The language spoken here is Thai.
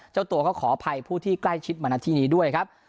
เจ้าตัวก็ขออภัยผู้ที่ใกล้ชิดมาณที่นี้ด้วยครับ